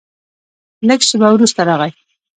لږ شېبه وروسته راغی.